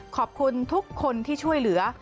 ขอบคุณทุกคนที่ช่วยเหลือ